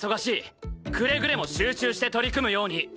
くれぐれも集中して取り組むように！